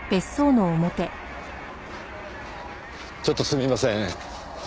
ちょっとすみません。